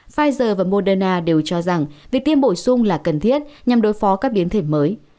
pfizer và moderna đều cho rằng việc tiêm bổ sung là cần thiết nhằm đối phó các biến thể mới